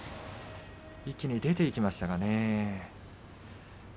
一気に出ていきましたね。